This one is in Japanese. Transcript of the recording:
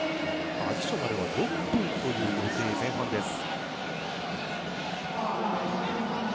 アディショナルは６分という前半です。